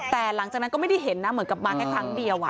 แต่หลังจากนั้นก็ไม่ได้เห็นนะเหมือนกับมาแค่ครั้งเดียว